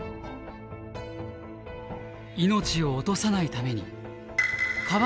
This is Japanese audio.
命を落とさないために。